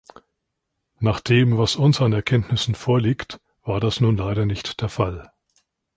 Nach dem, was uns an Erkenntnissen vorliegt, war das nun leider nicht der Fall.